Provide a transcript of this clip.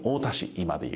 今で言う。